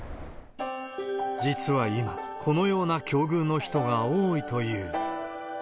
実は今、このような境遇の人が多いという。